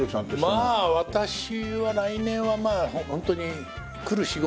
まあ私は来年はホントに来る仕事は拒まず。